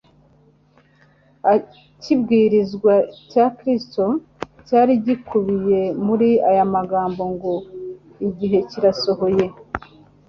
Ikibwirizwa cya Kristo, cyari gikubiye muri aya magambo ngo: "Igihe kirasohoye,